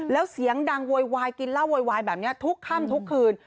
แล้วเสียงดังโวยวายกินเหล้าโวยวายแบบนี้ทุกค่ำทุกคืน